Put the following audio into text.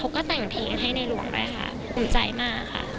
เขาก็แต่งเพลงให้ในหลวงได้ค่ะสงสัยมากค่ะ